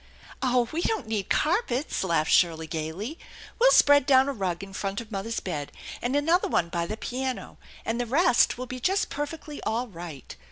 " Oh, we don't need carpets !" laughed Shirley gayly. "We'll spread down a rug in front of mother's bed, and another one by the piano, and the rest will be just perfectly all right.